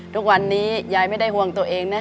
ทุกวันนี้ยายไม่ได้ห่วงตัวเองนะ